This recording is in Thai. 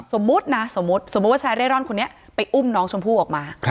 สมมุตินะสมมุติว่าชายเร่ร่อนคนนี้ไปอุ้มน้องชมพู่ออกมา